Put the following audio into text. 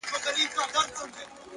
له ځان سره سوله خوښي راولي!